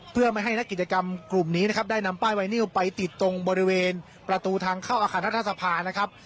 เพื่อไม่ให้นักกิจกรรมกลุ่มนี้นะครับได้นำป้ายไวนิวไปติดตรงบริเวณประตูทางเข้าอาคารรัฐสภานะครับ